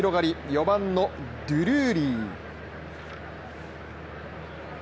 ４番のデュルーリー。